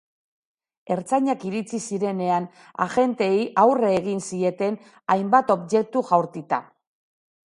Ertzainak iritsi zirenean, agenteei aurre egin zieten, hainbat objektu jaurtita.